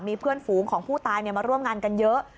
มีเพื่อนฝูงของผู้ตายมาร่วมงานกันเยอะ